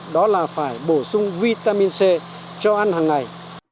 đó là phải bổ sung vitamin c cho ăn hàng ngày